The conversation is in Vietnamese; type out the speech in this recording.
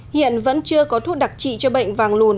hiện vẫn chưa có thuốc đặc trị cho bệnh vàng lùn